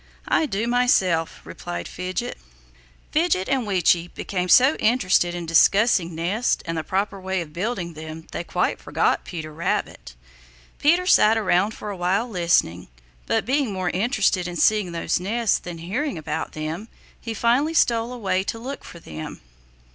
"I do myself," replied Fidget. Fidget and Weechi became so interested in discussing nests and the proper way of building them they quite forgot Peter Rabbit. Peter sat around for a while listening, but being more interested in seeing those nests than hearing about them, he finally stole away to look for them.